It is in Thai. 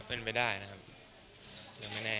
เป็นไปได้นะครับยังไม่แน่